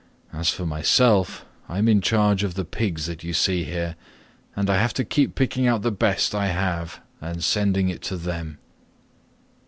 As for myself, I am in charge of the pigs that you see here, and I have to keep picking out the best I have and sending it to them."